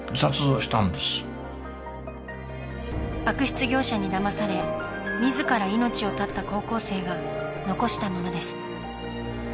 悪質業者にだまされ自ら命を絶った高校生が残したものです。